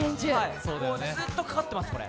ずっとかかってます、これ。